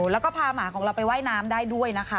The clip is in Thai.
แล้วก็พาหมาของเราไปว่ายน้ำได้ด้วยนะคะ